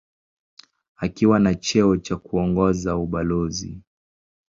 Akiwa na cheo cha kuongoza ubalozi.